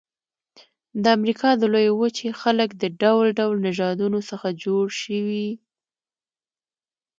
د امریکا د لویې وچې خلک د ډول ډول نژادونو څخه جوړ شوي.